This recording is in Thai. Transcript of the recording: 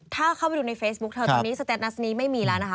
ถ้าเข้าไปดูในเฟซบุ๊คเธอตรงนี้สเตตนัสนี้ไม่มีแล้วนะคะ